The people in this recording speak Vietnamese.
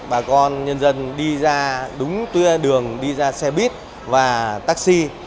bà con nhân dân đi ra đúng đường đi ra xe buýt và taxi